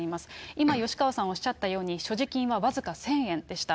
今、吉川さんおっしゃったように、所持金は僅か１０００円でした。